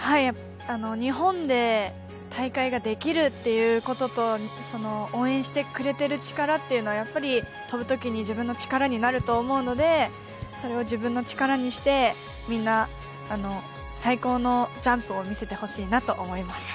日本で大会ができるということと、応援してくれている力は飛ぶ時に力になると思うので、自分の力にして、みんな最高のジャンプを見せてほしいと思います。